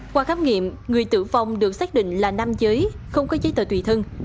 qua khám nghiệm người tử vong được xác định là nam giới không có giấy tờ tùy thân